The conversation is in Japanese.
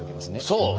そう！